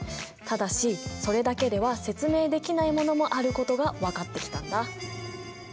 ただしそれだけでは説明できないものもあることが分かってきたんだ。